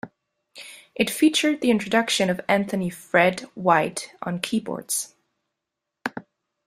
It featured the introduction of Anthony "Fred" White on keyboards.